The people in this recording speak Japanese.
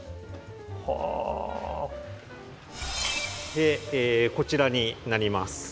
でこちらになります。